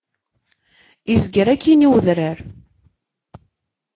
Izger akkin i udrar.